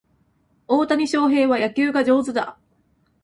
大谷翔平は野球が上手だ